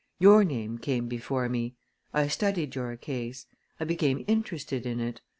Your name came before me. I studied your case. I became interested in it.